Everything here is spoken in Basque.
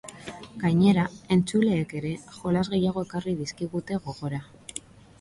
Gainera, entzuleek ere jolas gehiago ekarri dizkigute gogora.